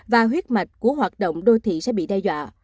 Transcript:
và huyết mạch của hoạt động đô thị sẽ bị đe dọa